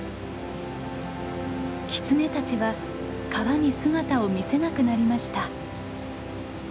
キツネたちは川に姿を見せなくなりました。